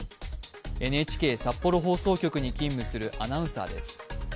ＮＨＫ札幌放送局に勤務するアナウンサーです。